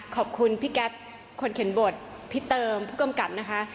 ขอบคุณพี่แก๊สคนเขียนบทพี่เติมผู้กำกับนะคะ